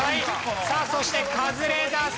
さあそしてカズレーザーさん。